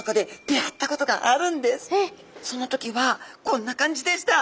その時はこんな感じでした。